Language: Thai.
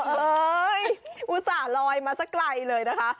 โอ๊ยอุตส่าห์ลอยมาซะใกล้เลยนะคะ